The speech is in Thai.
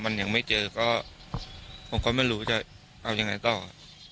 มันยังไม่เจอก็ผมก็ไม่รู้จะเอายังไงต่อ